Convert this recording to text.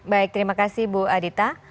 baik terima kasih bu adita